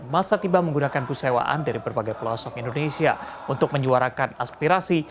masa tiba menggunakan pusewaan dari berbagai pelosok indonesia untuk menyuarakan aspirasi